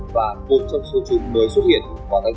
và một trong số chúng mới xuất hiện vào tháng chín